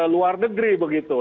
luar negeri begitu